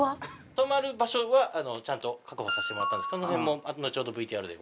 泊まる場所はちゃんと確保させてもらったんでそのへんもちょうどＶＴＲで。